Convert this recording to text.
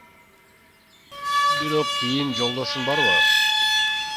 Бирок кийин Жолдошуң барбы?